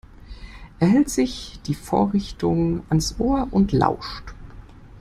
Er hält sich die Vorrichtung ans Ohr und lauscht.